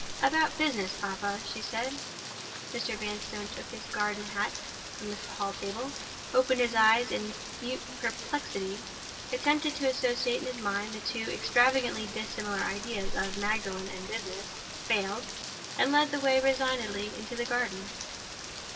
"About business, papa," she said. Mr. Vanstone took his garden hat from the hall table—opened his eyes in mute perplexity—attempted to associate in his mind the two extravagantly dissimilar ideas of Magdalen and "business"—failed—and led the way resignedly into the garden.